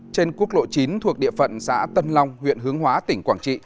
trên quốc lộ chín thuộc địa phận xã tân long huyện hướng hóa tỉnh quảng trị